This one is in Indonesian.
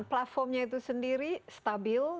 platformnya itu sendiri stabil